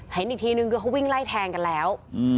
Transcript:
เห็นอีกทีนึงคือเขาวิ่งไล่แทงกันแล้ว